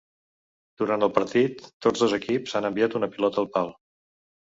Durant el partit, tots dos equips han enviat una pilota al pal.